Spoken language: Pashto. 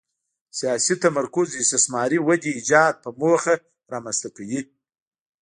سیاسي تمرکز استثاري ودې ایجاد په موخه رامنځته کوي.